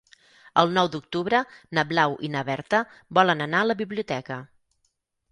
El nou d'octubre na Blau i na Berta volen anar a la biblioteca.